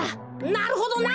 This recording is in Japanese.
なるほどな！